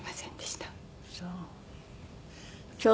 そう。